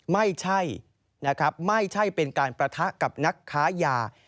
ไม่ใช่นะครับไม่ใช่เป็นการประทะกับนักค้ายา